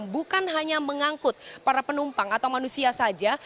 bukan hanya mengangkut para penumpang atau manusia saja